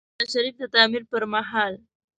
د بیت الله شریف د تعمیر پر مهال.